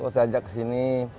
oh saya ajak ke sini